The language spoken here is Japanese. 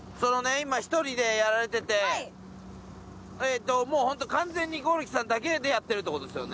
今１人でやられててホント完全に剛力さんだけでやってるってことですよね？